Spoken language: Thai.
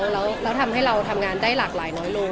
แล้วทำให้เราทำงานได้หลากหลายน้อยลง